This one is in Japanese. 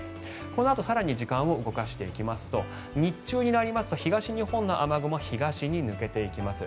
このあと更に時間を動かしていきますと日中になりますと東日本の雨雲は東に抜けていきます。